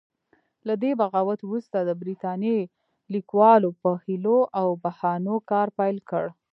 له دې بغاوت وروسته د برتانیې لیکوالو په حیلو او بهانو کار پیل کړ.